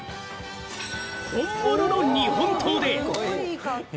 本物の日本刀で。